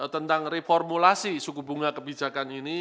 tentang reformulasi suku bunga kebijakan ini